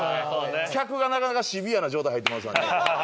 客がなかなかシビアな状態入ってますわね。